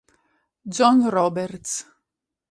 John Roberts